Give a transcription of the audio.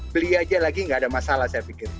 beli aja lagi nggak ada masalah saya pikir